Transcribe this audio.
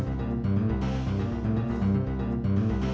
kalau lagi ngasih ktg udah beli